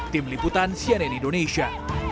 tim liputan cnn indonesia